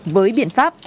với biện pháp